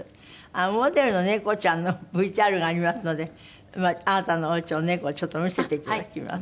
モデルの猫ちゃんのＶＴＲがありますのであなたのおうちの猫をちょっと見せていただきます。